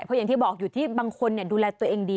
เพราะอย่างที่บอกอยู่ที่บางคนดูแลตัวเองดี